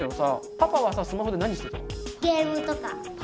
パパはさスマホで何してたの？